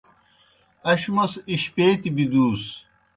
اش موْس اشپیتیْ بِدُوس۔